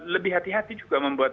lebih hati hati juga membuat